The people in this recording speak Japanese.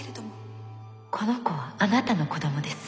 この子はあなたの子どもです。